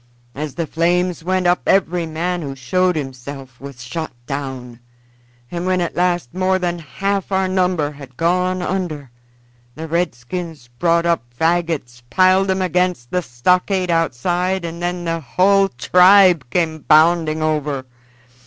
As the flames went up every man who showed himself was shot down, and when at last more than half our number had gone under the redskins brought up fagots, piled 'em against the stockade outside, and then the hull tribe came bounding over.